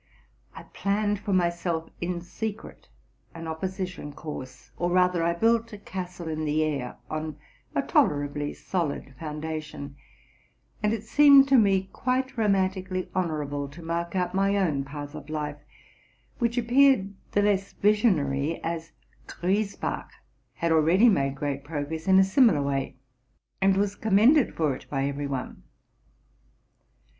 I planned for myself in secret an opposition course, or rather I built a castle in the air, on a tolerably solid foun dation ; and it seemed to me quite romantically honorable to mark out my own path of life, which appeared the less vision ary, as Griesbach had already made great progress in a simi lar way, and was commended for it by every one.